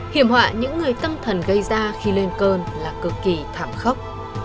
hiểm họa những người tâm thần gây ra khi lên cơn là cực kỳ thảm khốc